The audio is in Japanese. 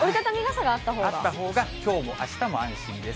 あったほうが、きょうもあしたも安心です。